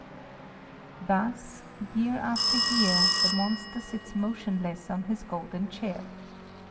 Thus, year after year, the monster sits motionless on his golden chair.